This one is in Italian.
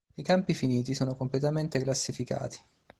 I campi finiti sono completamente classificati.